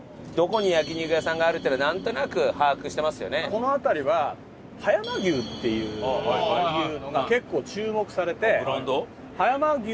この辺りは葉山牛っていうのが結構注目されて。